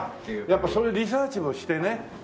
やっぱそういうリサーチもしてね。